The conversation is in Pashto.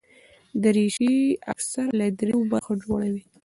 دریشي اکثره له درېو برخو جوړه وي.